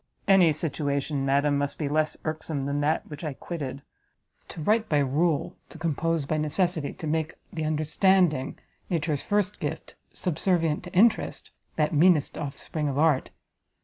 "Any situation, madam, must be less irksome than that which I quitted: to write by rule, to compose by necessity, to make the understanding, nature's first gift, subservient to interest, that meanest offspring of art!